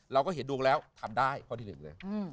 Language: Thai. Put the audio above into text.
เราก็เห็นดวงแล้วทำได้ข้อที่หนึ่งเลย